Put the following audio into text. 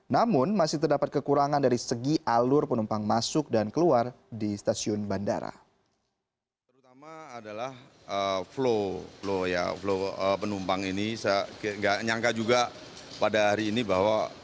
namun masih terdapat kekurangan dari segi alur penumpang masuk dan keluar di stasiun bandara